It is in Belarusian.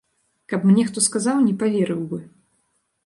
Каб мне хто сказаў, не паверыў бы.